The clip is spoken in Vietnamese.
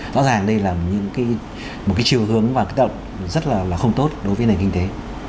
rõ ràng đây là một chiều hướng và cái động rất là không tốt đối với nền kinh tế